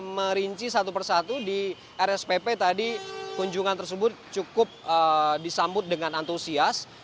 merinci satu persatu di rspp tadi kunjungan tersebut cukup disambut dengan antusias